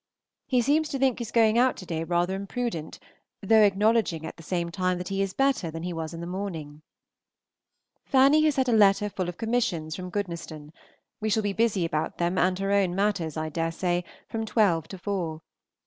He seems to think his going out to day rather imprudent, though acknowledging at the same time that he is better than he was in the morning. Fanny has had a letter full of commissions from Goodnestone; we shall be busy about them and her own matters, I dare say, from twelve to four.